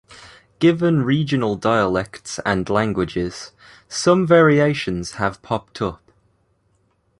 Given regional dialects and languages, some variations have popped up.